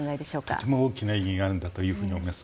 とても大きな意義があると思います。